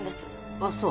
あっそう。